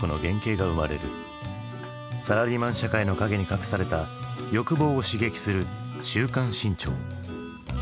サラリーマン社会の陰に隠された欲望を刺激する「週刊新潮」。